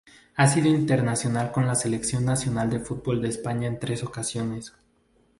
Ha sido internacional con la Selección nacional de fútbol de España en tres ocasiones.